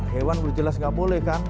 hewan boleh jelas gak boleh kan